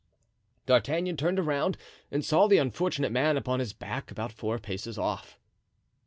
D'Artagnan turned around and saw the unfortunate man upon his back about four paces off.